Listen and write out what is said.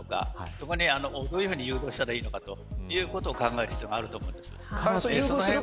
そこにどういうふうに誘導したらいいのかということを考える必要があると思うんです。